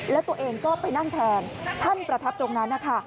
แล้วตัวเองก็ไปนั่งแทนท่านประทับตรงนั้นนะคะ